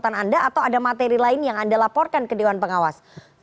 ada yang mencobotan anda atau ada materi lain yang anda laporkan ke dewan pengawas